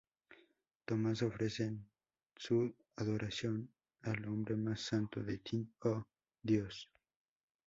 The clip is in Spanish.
Tomás ofrecen su adoración al Nombre más Santo de Thy, Oh, Dios".